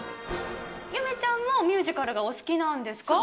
ゆめちゃんもミュージカルがそうなんです。